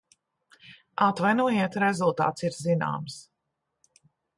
Atvainojiet, rezultāts ir zināms.